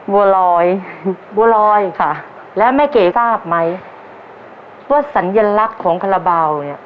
บัวลอยบัวลอยค่ะแล้วแม่เก๋ทราบไหมว่าสัญลักษณ์ของคาราบาลเนี่ย